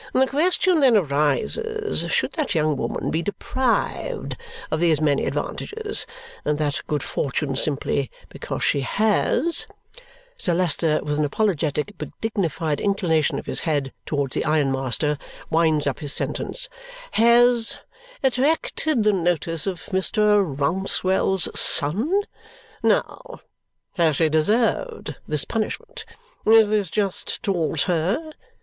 The question then arises, should that young woman be deprived of these many advantages and that good fortune simply because she has" Sir Leicester, with an apologetic but dignified inclination of his head towards the ironmaster, winds up his sentence "has attracted the notice of Mr Rouncewell's son? Now, has she deserved this punishment? Is this just towards her?